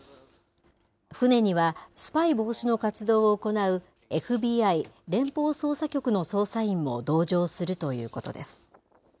船には、スパイ防止の活動を行うＦＢＩ・連邦捜査局の捜査員も同乗するということです。